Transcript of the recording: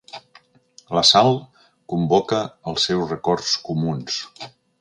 La Sal convoca els seus records comuns.